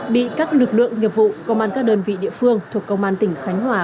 bị các lực lượng nghiệp vụ công an các đơn vị địa phương thuộc công an tỉnh khánh hòa